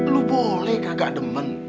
lu boleh kagak demen